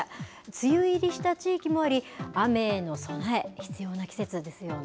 梅雨入りした地域もあり、雨への備え、必要な季節ですよね。